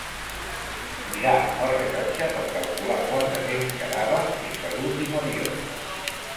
Mirà el rellotge per calcular quant de temps quedava fins a l'últim avió.